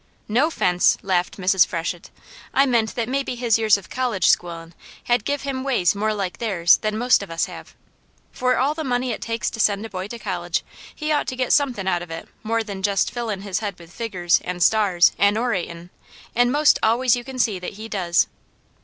"No 'fence," laughed Mrs. Freshett. "I meant that maybe his years of college schoolin' had give him ways more like theirs than most of us have. For all the money it takes to send a boy to college, he ought to get somethin' out of it more than jest fillin' his head with figgers, an' stars, an' oratin'; an' most always you can see that he does."